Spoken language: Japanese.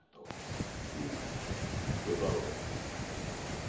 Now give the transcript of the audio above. うむよかろう。